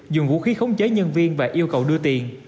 dùng vũ khí khống chế nhân viên và yêu cầu đưa tiền